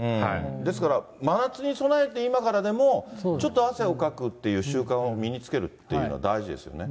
ですから、真夏に備えて、今からでもちょっと汗をかくっていう習慣を身につけるっていうのは大事ですよね。